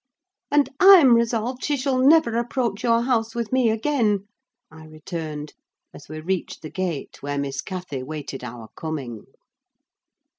"And I'm resolved she shall never approach your house with me again," I returned, as we reached the gate, where Miss Cathy waited our coming.